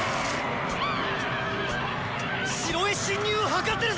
城へ侵入を図ってるぞ！